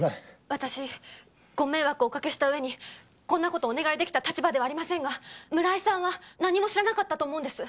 私ご迷惑をおかけした上にこんな事お願い出来た立場ではありませんが村井さんは何も知らなかったと思うんです。